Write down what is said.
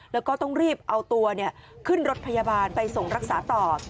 แล้วก็ต้องรีบเอาตัวขึ้นรถพยาบาลไปส่งรักษาต่อ